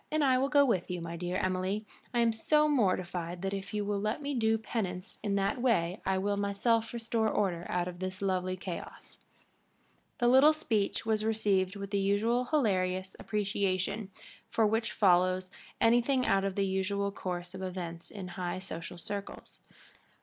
"And I will go with you, my dear Emily. I am so mortified that if you will let me do penance in that way I will myself restore order out of this lovely chaos." The little speech was received with the usual hilarious appreciation which follows anything out of the usual course of events in high social circles.